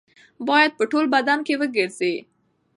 باید په ټول بدن کې وګرځي.